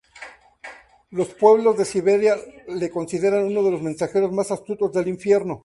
Los pueblos de Siberia le consideran uno de los mensajeros más astutos del infierno.